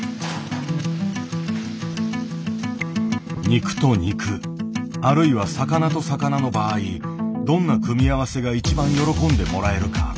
肉と肉あるいは魚と魚の場合どんな組み合わせが一番喜んでもらえるか。